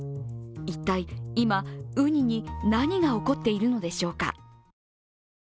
一体、今、ウニに何が起こっているのでしょうか。